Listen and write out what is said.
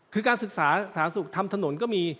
คือการศึกษาสาธารณสุขทำถนนก็มี